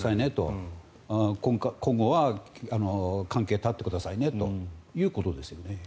今後は関係を絶ってくださいねということですよね。